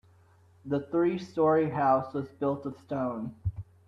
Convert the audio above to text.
The three story house was built of stone.